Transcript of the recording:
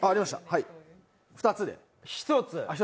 はい、２つで。